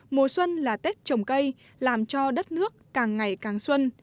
mùa xuân là tết trồng cây làm cho đất nước càng ngày càng xuân